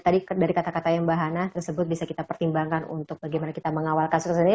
tadi dari kata kata mbak hana tersebut bisa kita pertimbangkan untuk bagaimana kita mengawalkan sukses lainnya